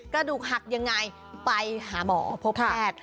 กระดูกหักยังไงไปหาหมอพบแพทย์